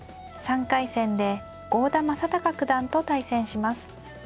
３回戦で郷田真隆九段と対戦します。